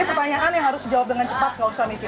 ini pertanyaan yang harus dijawab dengan cepat gak usah mikir